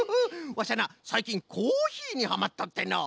ワシはなさいきんコーヒーにハマっとってのう。